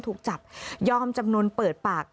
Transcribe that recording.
ถูกจับยอมจำนวนเปิดปาก